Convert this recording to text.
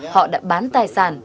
họ đã bán tài sản